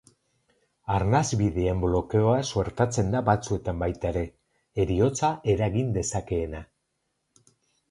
Arnasbideen blokeoa suertatzen da batzuetan baita ere, heriotza eragin dezakeena.